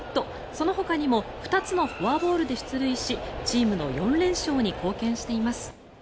そのほかにも２つのフォアボールで出塁しチームの４連勝に貢献しています。